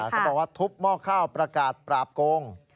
เขาบอกว่าทุบหม้อข้าวประกาศปราบโกง